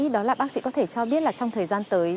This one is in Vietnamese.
đó là bác sĩ có thể cho biết là trong thời gian tới